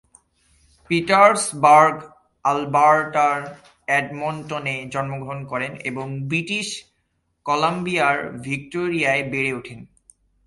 Petersburg আলবার্টার এডমন্টনে জন্মগ্রহণ করেন এবং ব্রিটিশ কলাম্বিয়ার ভিক্টোরিয়ায় বেড়ে ওঠেন।